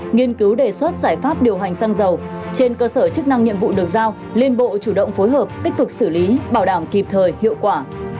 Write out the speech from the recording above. nghiên cứu đề xuất giải pháp điều hành xăng dầu trên cơ sở chức năng nhiệm vụ được giao liên bộ chủ động phối hợp tích cực xử lý bảo đảm kịp thời hiệu quả